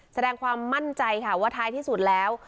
แสดงความมั่นใจค่ะว่าท้ายที่สุดแล้ว